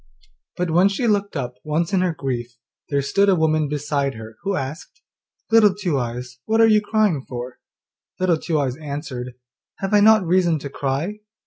But when she looked up once in her grief there stood a woman beside her who asked, 'Little Two eyes, what are you crying for?' Little Two eyes answered, 'Have I not reason to cry?